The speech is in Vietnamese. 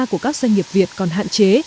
của các doanh nghiệp việt còn hạn chế